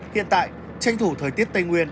hiện tại tranh thủ thời tiết tây nguyên